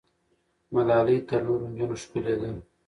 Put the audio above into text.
ملالۍ تر نورو نجونو ښکلې وه.